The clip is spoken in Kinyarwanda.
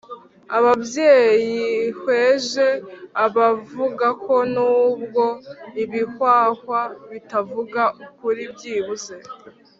Ababyeyihweje bavugako n’ubwo ibihwahwa bitavuga ukuri byibuze